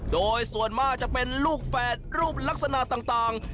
โดยส่วนมากจะเป็นลูกแฝดรูปลักษณะต่าง